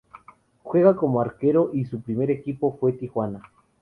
Juega como arquero y su primer equipo fue Tijuana.